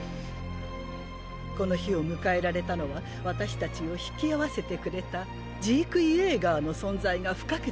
この日を迎えられたのは私たちを引き合わせてくれたジーク・イェーガーの存在が不可欠でした。